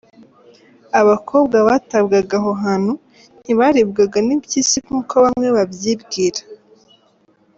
Abakobwa batabwaga aho hantu ntibaribwaga n’impyisi nk’uko bamwe babyibwira.